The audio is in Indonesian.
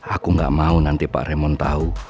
aku gak mau nanti pak raymond tau